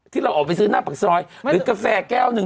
เราออกไปซื้อหน้าปากซอยหรือกาแฟแก้วหนึ่ง